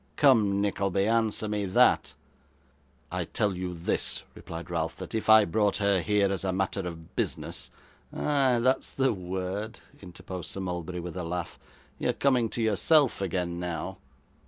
Come, Nickleby, answer me that.' 'I tell you this,' replied Ralph, 'that if I brought her here, as a matter of business ' 'Ay, that's the word,' interposed Sir Mulberry, with a laugh. 'You're coming to yourself again now.